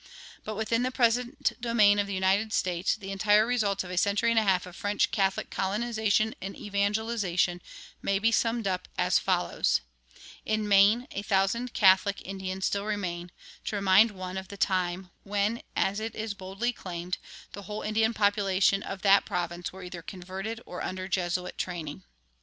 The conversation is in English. But within the present domain of the United States the entire results of a century and a half of French Catholic colonization and evangelization may be summed up as follows: In Maine, a thousand Catholic Indians still remain, to remind one of the time when, as it is boldly claimed, the whole Indian population of that province were either converted or under Jesuit training.